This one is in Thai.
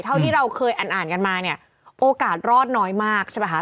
เท่าที่เราเคยอ่านกันมาเนี่ยโอกาสรอดน้อยมากใช่ไหมคะ